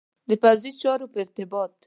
د پوځي چارو په ارتباط.